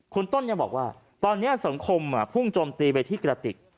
คุณต้นยังบอกว่าตอนนี้สังคมพุ่งโจมตีไปที่กระติก